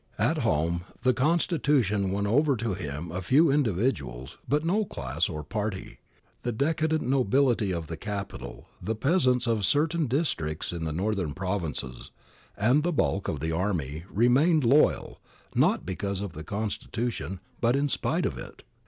At home the constitution won over to him a few individuals, but no class or party. The decadent nobility of the capital, the peasants of certain districts in the northern provinces, and the bulk of the army remained loyal not because of the constitution, but in spite of it.